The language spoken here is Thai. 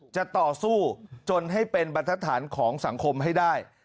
จะต่อสู้จนให้เป็นบรรทฐานของสังคมให้ได้